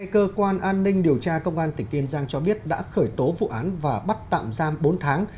cơ quan an ninh điều tra công an tỉnh kiên giang cho biết đã khởi tố vụ án và bắt tạm giam bốn tháng